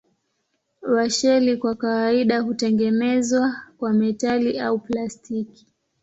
Washeli kwa kawaida hutengenezwa kwa metali au plastiki.